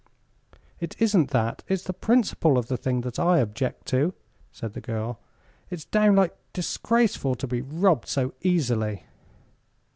"It isn't that; it's the principle of the thing that I object to," said the girl. "It's downright disgraceful to be robbed so easily."